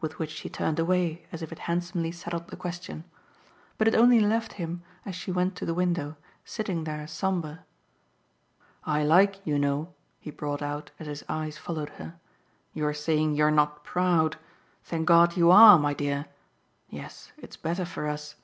With which she turned away as if it handsomely settled the question. But it only left him, as she went to the window, sitting there sombre. "I like, you know," he brought out as his eyes followed her, "your saying you're not proud! Thank God you ARE, my dear. Yes it's better for us."